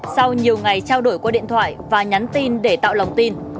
sau nhiều ngày trao đổi qua điện thoại và nhắn tin để tạo lòng tin